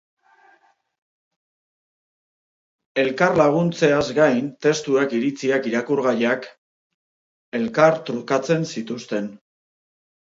Elkar laguntzeaz gain, testuak, iritziak, irakurgaiak... elkartrukatzen zituzten.